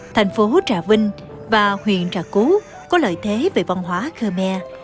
thành phố trà vinh và huyện trà cú có lợi thế về văn hóa khmer